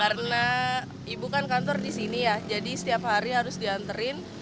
karena ibu kan kantor disini ya jadi setiap hari harus dianterin